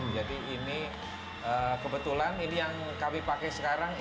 jadi ini kebetulan yang kami pakai sekarang